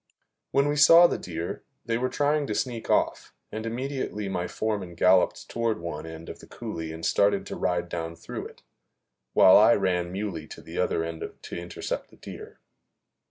When we saw the deer, they were trying to sneak off, and immediately my foreman galloped toward one end of the coulee and started to ride down through it, while I ran Muley to the other end to intercept the deer.